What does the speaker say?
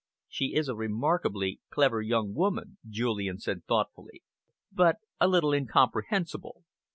"She is a remarkably clever young woman," Julian said thoughtfully, "but a little incomprehensible.